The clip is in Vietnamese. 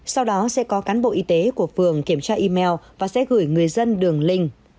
sau đó sẽ có cán bộ y tế của phường kiểm tra email và sẽ gửi người dân đường link